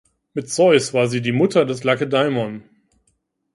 Mit Zeus war sie die Mutter des Lakedaimon.